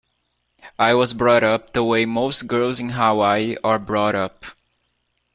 I was brought up the way most girls in Hawaii are brought up.